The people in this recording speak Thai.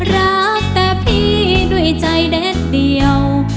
รักแต่พี่ด้วยใจแดดเดียว